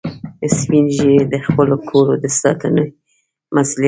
سپین ږیری د خپلو کورو د ساتنې مسئولیت لري